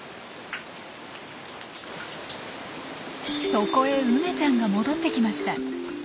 そこへ梅ちゃんが戻ってきました。